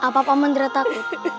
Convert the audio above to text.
papa mandira takut